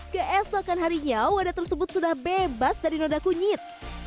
keesokan harinya wadah tersebut sudah bebas dari noda kunyit